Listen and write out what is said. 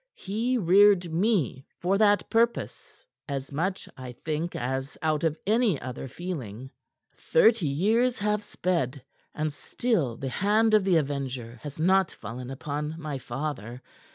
He reared me for that purpose, as much, I think, as out of any other feeling. Thirty years have sped, and still the hand of the avenger has not fallen upon my father.